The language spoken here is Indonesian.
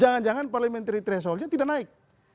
jangan jangan parliamentary thresholdnya tidak naik